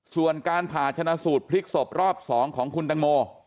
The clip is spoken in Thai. ส่วนการผ่าชนะสูตรพลิกศพรอบ๒ของคุณตังโม